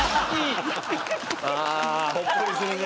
ほっこりするね。